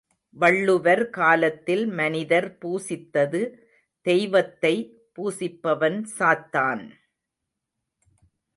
வள்ளுவர் காலத்தில் மனிதர் பூசித்தது தெய்வத்தை பூசிப்பவன் சாத்தான்.